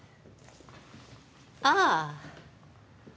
ああ。